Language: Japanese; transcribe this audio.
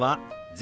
「０」。